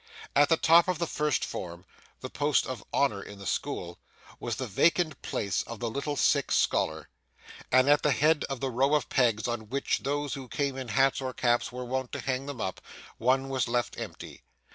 At the top of the first form the post of honour in the school was the vacant place of the little sick scholar, and at the head of the row of pegs on which those who came in hats or caps were wont to hang them up, one was left empty.